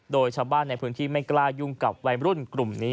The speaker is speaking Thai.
โดยชาวบ้านในพื้นที่ไม่กล้ายุ่งกับวัยรุ่นกลุ่มนี้